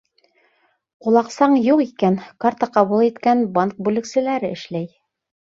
Ҡулаҡсаң юҡ икән, карта ҡабул иткән банк бүлексәләре эшләй.